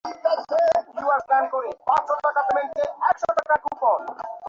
তিনি নিম্নলিখিতভাবে বেদান্তের শিক্ষাসমূহের সারসংক্ষেপ করেন